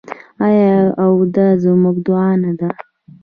آیا او دا زموږ دعا نه ده؟